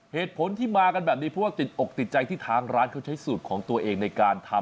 เหตุผลที่มากันแบบนี้เพราะว่าติดอกติดใจที่ทางร้านเขาใช้สูตรของตัวเองในการทำ